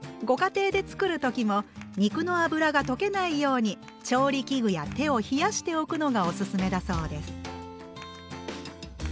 ご家庭で作る時も肉の脂が溶けないように調理器具や手を冷やしておくのがおすすめだそうです。